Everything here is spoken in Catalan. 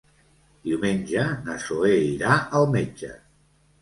Diumenge na Zoè irà al metge.